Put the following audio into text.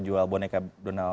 jual boneka donald